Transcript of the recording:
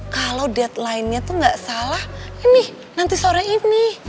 kalau deadline nya tuh gak salah ini nanti sore ini